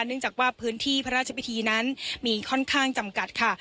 เนื่องจากว่าพื้นที่พระราชพิธีนั้นมีค่อนข้างจำกัดค่ะ